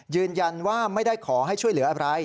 ยืนยันว่าไม่ได้ขอให้ช่วยเหลืออะไร